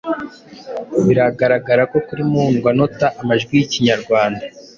Biragaragara ko kuri muhundwanota, amajwi y’Ikinyarwanda